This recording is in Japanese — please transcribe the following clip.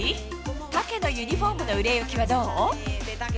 タケのユニホームの売れ行きはどう？